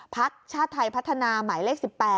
พักชาติไทยพัฒนาหมายเลข๑๘